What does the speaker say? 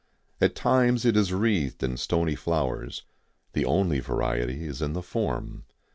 At times it is wreathed in stony flowers. The only variety is in the form.